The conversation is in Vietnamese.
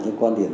những quan điểm